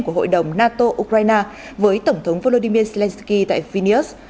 của hội đồng nato ukraine với tổng thống volodymyr zelenskyy tại phineas